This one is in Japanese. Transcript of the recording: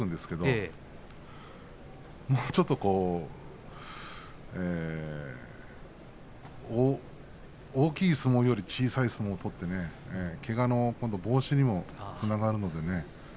もうちょっと大きい相撲より小さい相撲を取って、けがの防止にもつながるのでね。